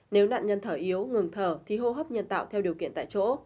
nếu nạn nhân thở yếu ngừng thở thì hô hấp nhân tạo theo điều kiện tại chỗ